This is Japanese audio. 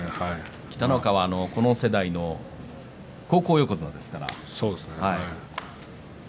北の若はこの世代の高校横綱ですからね。